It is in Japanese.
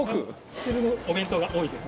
してるお弁当が多いです。